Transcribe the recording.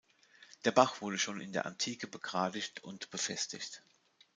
Der Bach wurde schon in der Antike begradigt und befestigt.